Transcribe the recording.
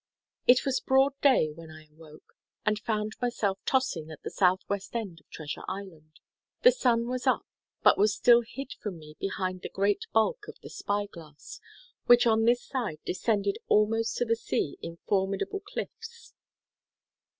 It was broad day when I awoke, and found myself tossing at the southwest end of Treasure Island. The sun was up, but was still hid from me behind the great bulk of the Spy glass, which on this side descended almost to the sea in formidable cliffs.